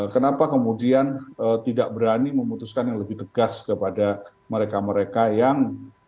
kenapa kemudian tidak berani memutuskan yang lebih tegas kepada mereka mereka yang